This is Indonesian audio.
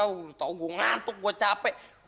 oh tau gue ngantuk gue capek